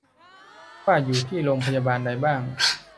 ว่าอยู่ที่โรงพยาบาลใดบ้าง